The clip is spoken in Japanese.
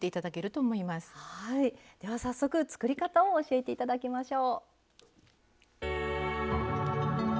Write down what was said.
では早速作り方を教えて頂きましょう。